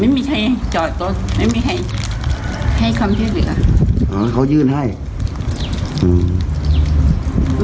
ไม่มีใครจอดรถไม่มีใครให้ความช่วยเหลืออ่าให้เขายื่นให้อืม